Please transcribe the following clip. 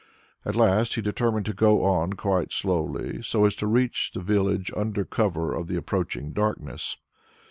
At last he determined to go on quite slowly so as to reach the village under cover of the approaching darkness.